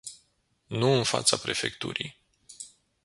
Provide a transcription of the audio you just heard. Nu în fața prefecturii.